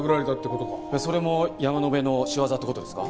それも山野辺の仕業って事ですか？